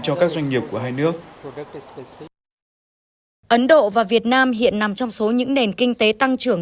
cho các doanh nghiệp của hai nước ấn độ và việt nam hiện nằm trong số những nền kinh tế tăng trưởng